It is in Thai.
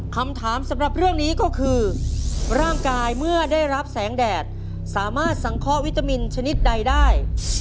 คำถามสำหรับเรื่องนี้ก็คือร่างกายเมื่อได้รับแสงแดดสามารถสังเคราะห์วิตามินชนิดใดได้